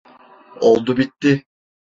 Oldu bitti.